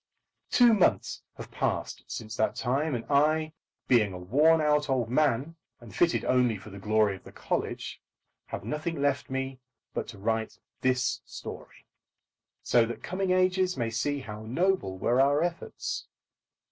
Two months have passed since that time, and I, being a worn out old man, and fitted only for the glory of the college, have nothing left me but to write this story, so that coming ages may see how noble were our efforts.